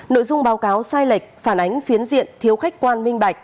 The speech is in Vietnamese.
nội dung báo cáo sai lệch phản ánh phiến diện thiếu khách quan minh bạch